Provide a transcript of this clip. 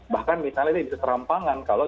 bahkan misalnya ini bisa serampangan kalau